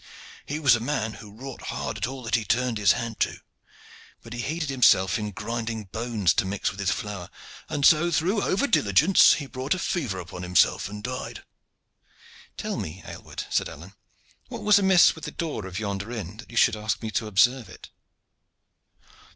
He was a man who wrought hard at all that he turned his hand to; but he heated himself in grinding bones to mix with his flour, and so through over diligence he brought a fever upon himself and died." "Tell me, Aylward," said Alleyne, "what was amiss with the door of yonder inn that you should ask me to observe it."